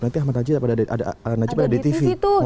nanti ahmad najib najib ada di tv